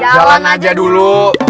jalan aja dulu